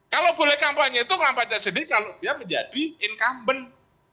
kalau boleh kampanye itu kampanye sendiri biar menjadi incumbent